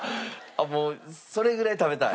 もうそれぐらい食べたい？